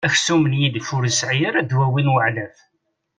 Aksum n yilef ur yesεi ara ddwawi n weεlaf.